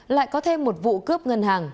lại có thêm một vụ cướp ngân hàng